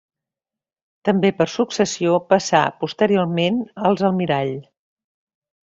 També per successió passà posteriorment als Almirall.